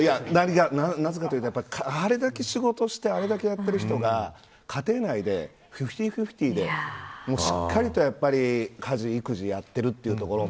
なぜかというとあれだけ仕事をしてあれだけやってる人が家庭内でフィフティフィフティでしっかりと家事育児をやっているというところ。